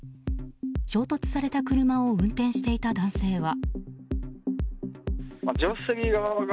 衝突された車を運転していた男性は。